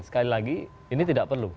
sekali lagi ini tidak perlu